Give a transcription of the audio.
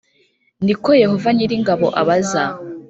ni ko Yehova nyir ingabo abaza